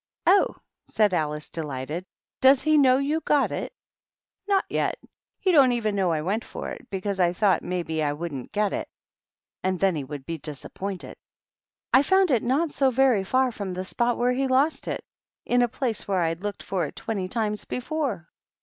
" Oh," said Alice, delighted, " does he kr you've got it?" " Not yet. He don't even know I went fo] because I thought maybe I wouldn't get it, ; THE PAGEANT. then he would be disappointed. I found it not 80 very far from the spot where he lost it, in a place where I'd looked for it twenty times be fore."